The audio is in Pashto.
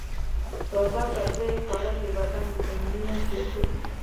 د تازه سبزیو خوړل د بدن ویټامینونه زیاتوي.